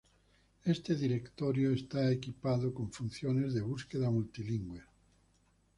Este directorio está equipado con funciones de búsqueda multilingües.